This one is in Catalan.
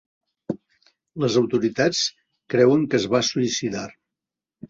Les autoritats creuen que es va suïcidar.